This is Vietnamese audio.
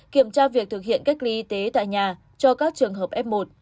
kiểm tra việc thực hiện cách ly y tế tại nhà cho các trường hợp f một